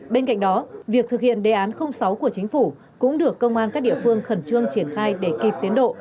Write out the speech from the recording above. bên cạnh đó việc thực hiện đề án sáu của chính phủ cũng được công an các địa phương khẩn trương triển khai để kịp tiến độ